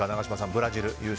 ブラジル優勝。